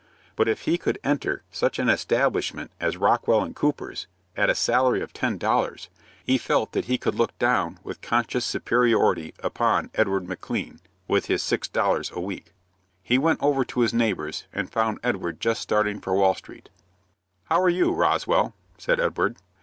But if he could enter such an establishment as Rockwell & Cooper's, at a salary of ten dollars, he felt that he could look down with conscious superiority upon Edward McLean, with his six dollars a week. He went over to his neighbor's, and found Edward just starting for Wall Street. "How are you, Roswell?" said Edward.